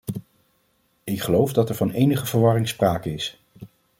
Ik geloof dat er van enige verwarring sprake is.